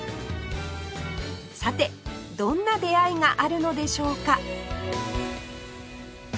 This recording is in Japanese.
さてどんな出会いがあるのでしょうか？